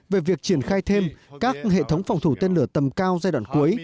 về việc triển khai thêm các hệ thống phòng thủ tên lửa tầm cao giai đoạn cuối